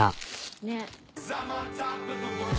ねぇ。